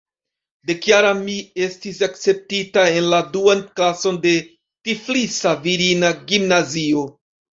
Dekjara mi estis akceptita en la duan klason de Tiflisa virina gimnazio.